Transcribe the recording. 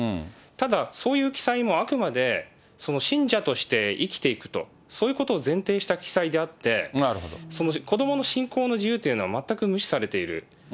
ただそういう記載もあくまでその信者として生きていくと、そういうことを前提にした記載であって、その子どもの信仰の自由というのは全く無視されている。